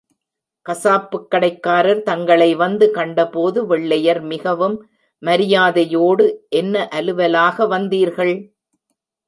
கசாப்புக் கடைக்காரர் தங்களைவந்து கண்டபோது, வெள்ளையர் மிகவும் மரியாதையோடு, என்ன அலுவலாக வந்தீர்கள்?